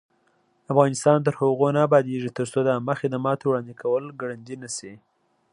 افغانستان تر هغو نه ابادیږي، ترڅو د عامه خدماتو وړاندې کول ګړندی نشي.